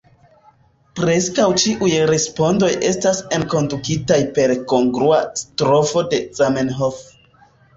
Preskaŭ ĉiuj respondoj estas enkondukitaj per kongrua strofo de Zamenhof.